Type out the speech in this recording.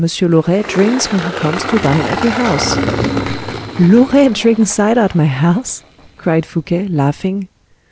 Loret drinks when he comes to dine at your house." "Loret drinks cider at my house!" cried Fouquet, laughing.